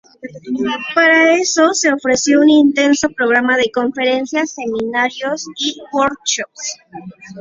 Para eso se ofreció un intenso programa de conferencias, seminarios y workshops.